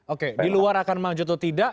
oke di luar akan maju atau tidak